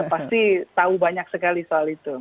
pasti tahu banyak sekali soal itu